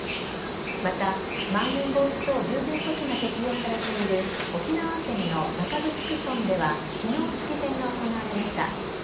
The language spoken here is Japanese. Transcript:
また、まん延防止等重点措置が適用されている、沖縄県の中城村ではきのう式典が行われました。